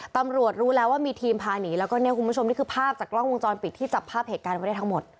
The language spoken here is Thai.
ตำรวจรู้แล้วว่ามีทีมพาหนีแล้วก็เนี่ยคุณผู้ชมนี่คือภาพจากกล้องวงจรปิดที่จับภาพเหตุการณ์ไว้ได้ทั้งหมด